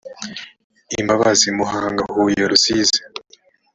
imbabazi muhanga huye rusizi